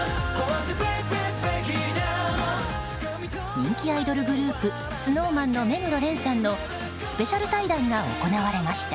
人気アイドルグループＳｎｏｗＭａｎの目黒蓮さんのスペシャル対談が行われました。